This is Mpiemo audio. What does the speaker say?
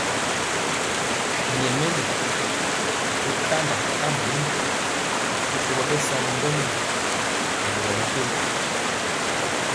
Nyɛmemɔ ri kanda kamrun rikolo bɛsali ŋgomnaŋ nɛ boro mepempɔ.